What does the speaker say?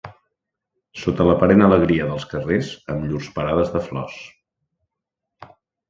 Sota l'aparent alegria dels carrers, amb llurs parades de flors